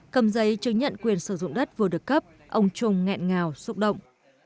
cầm giấy chứng nhận quyền sử dụng đất vừa được cấp ông trung nghẹn ngào xúc động